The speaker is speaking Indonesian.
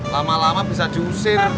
lama lama bisa diusir